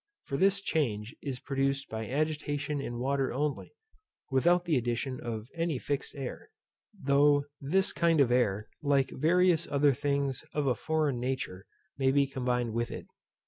For this change is produced by agitation in water only, without the addition of any fixed air, though this kind of air, like various other things of a foreign nature, may be combined with it.